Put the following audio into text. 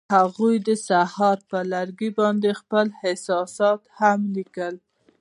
هغوی د سهار پر لرګي باندې خپل احساسات هم لیکل.